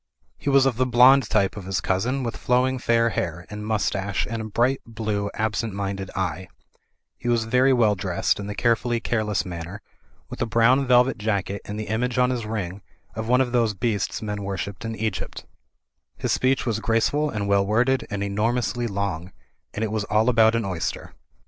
He was of the blond type of his cousin, with flowing fair hair and mustache, and a bright blue, absent minded eye; he was very well dressed in the carefully careless manner, with a brown velvet jacket and the image on his ring of one of those beasts men wor shipped in Egypt His speech was graceful and well worded and enor mously long, and it was all about an oyster.